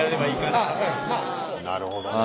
なるほどね。